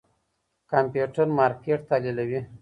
کمپيوټر مارکېټ تحليلوي.